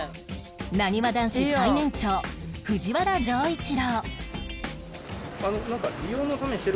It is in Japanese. なにわ男子最年長藤原丈一郎